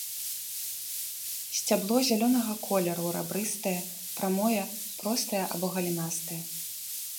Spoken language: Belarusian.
Сцябло зялёнага колеру рабрыстае, прамое, простае або галінастае.